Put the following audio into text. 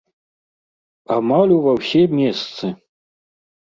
Амаль ува ўсе месцы!